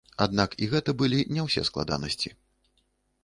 Аднак і гэта былі не ўсе складанасці.